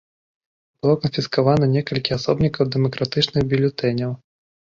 Было канфіскавана некалькі асобнікаў дэмакратычных бюлетэняў.